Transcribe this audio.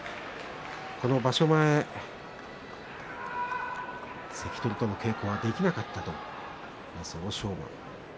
この場所前関取との稽古ができなかったという欧勝馬です。